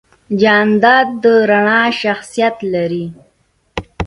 جانداد د رڼا شخصیت لري.